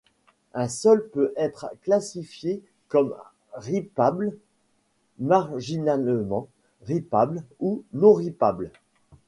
Un sol peut être classifié comme rippable, marginalement rippable ou non-rippable.